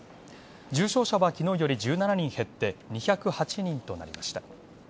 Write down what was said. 重症者は昨日より１７人減って２０８人となりました。